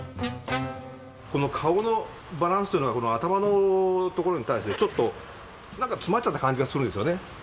この顔のバランスというのは頭のところに対してちょっと何か詰まっちゃった感じがするんですよね。